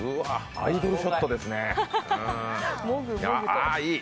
アイドルショットですね。